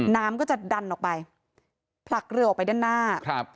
น้ำก็จะดันออกไปผลักเรือออกไปด้านหน้าครับ